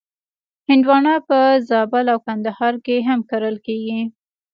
هندوانه په زابل او کندهار کې هم کرل کېږي.